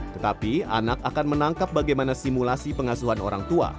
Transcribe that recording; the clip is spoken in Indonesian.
tetapi anak akan menangkap bagaimana simulasi pengasuhan orang tua